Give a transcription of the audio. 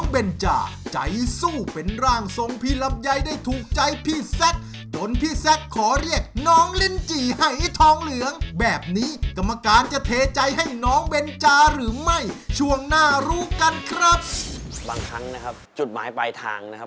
บางครั้งนะครับจุดหมายปลายทางนะครับ